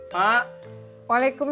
jadi bey dengan grandpa